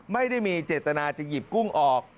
ไม่ได้มีเจตนาจะหยิบกุ้งออก